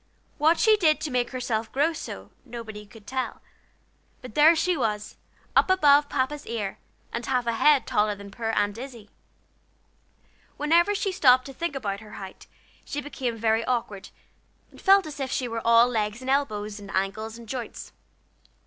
What she did to make herself grow so, nobody could tell; but there she was up above Papa's ear, and half a head taller than poor Aunt Izzie. Whenever she stopped to think about her height she became very awkward, and felt as if she were all legs and elbows, and angles and joints.